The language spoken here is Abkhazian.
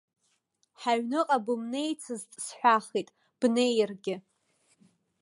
Ҳаҩныҟа бымнеицызт сҳәахит, бнеиргьы.